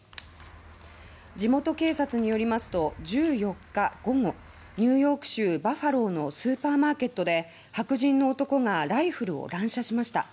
地元警察によりますと１４日午後ニューヨーク州バファローのスーパーマーケットで白人の男がライフルを乱射しました。